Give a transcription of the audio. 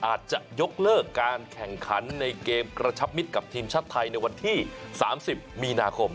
อาจจะยกเลิกการแข่งขันในเกมกระชับมิตรกับทีมชาติไทยในวันที่๓๐มีนาคม